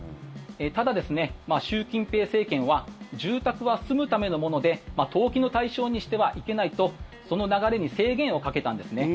ただ、習近平政権は住宅は住むためのもので投機の対象にしてはいけないとその流れに制限をかけたんですね。